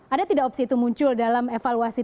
ada tidak opsi itu muncul dalam evaluasi